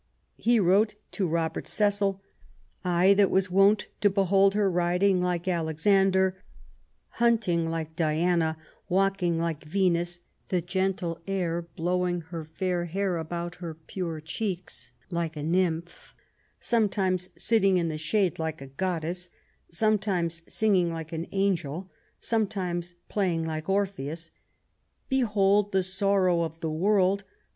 He wrote to Robert Cecil :" I that was wont to behold her riding like Alexander, hunting like Diana, walking like Venus, the gentle air blowing her fair hair about her pure cheeks, like a nymph ; sometimes sitting in the shade like a goddess; sometimes singing like an angel ; sometimes playing like Orpheus. Behold the sorrow of the world